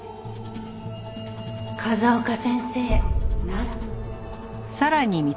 風丘先生なら。